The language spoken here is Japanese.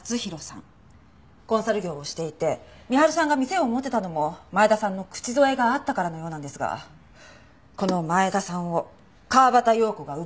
コンサル業をしていて深春さんが店を持てたのも前田さんの口添えがあったからのようなんですがこの前田さんを川端葉子が奪おうとしていたみたいなんです。